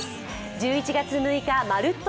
１１月６日「まるっと！